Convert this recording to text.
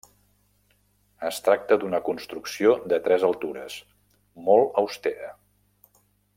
Es tracta d'una construcció de tres altures, molt austera.